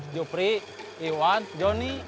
jupri iwan jonny